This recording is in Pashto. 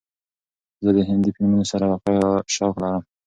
زه د هندې فیلمونو سره علاقه یا شوق لرم.